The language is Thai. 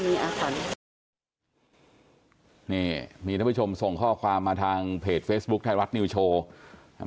นี่มีท่านผู้ชมส่งข้อความมาทางเพจเฟซบุ๊คไทยรัฐนิวโชว์อ่า